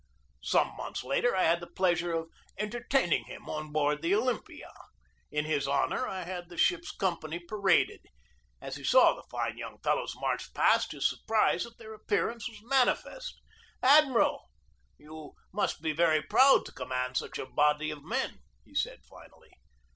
Some months later I had the pleasure of entertaining him on board the Olympia. In his honor I had the ship's company paraded. As he saw the fine young fellows march past his surprise at their appearance was manifest. "Admiral, you must be very proud to command such a body of men," he said finally.